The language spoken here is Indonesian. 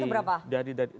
sangat rendah itu berapa